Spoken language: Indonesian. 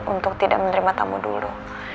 untuk tidak menerima tamu dulu